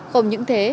không những thế